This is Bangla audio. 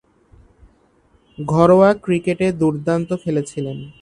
ঘরোয়া ক্রিকেটে দূর্দান্ত খেলেছিলেন।